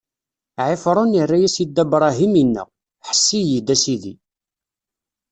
Ɛifṛun irra-as i Dda Bṛahim, inna: Ḥess-iyi-d, a sidi!